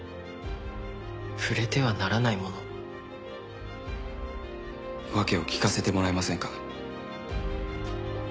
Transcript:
「触れてはならないもの」？訳を聞かせてもらえませんか？